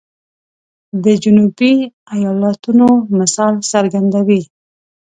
د جنوبي ایالاتونو مثال څرګندوي.